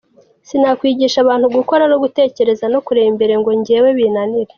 Sinakwigisha abantu gukora no gutekereza no kureba imbere ngo njyewe binanire.